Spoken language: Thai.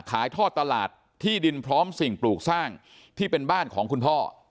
ขายทอดตลาดที่ดินพร้อมสิ่งปลูกสร้างที่เป็นบ้านของคุณพ่อ